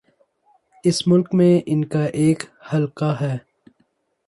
اس ملک میں ان کا ایک حلقہ ہے۔